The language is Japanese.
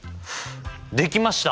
できました！